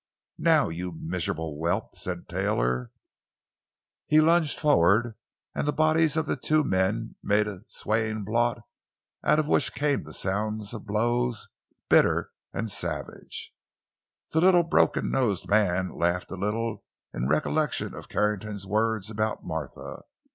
"Now, you miserable whelp!" said Taylor. He lunged forward and the bodies of the two men made a swaying blot out of which came the sounds of blows, bitter and savage. The little broken nosed man laughed a little in recollection of Carrington's words about Martha.